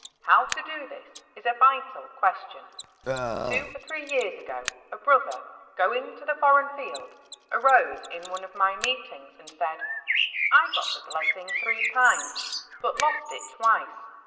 How to do this is a vital question. Two or three years ago, a brother, going to the foreign field, arose in one of my meetings and said, '' I got the blessing three times but lost it twice.